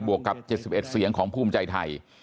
วกกับ๗๑เสียงของภูมิใจไทย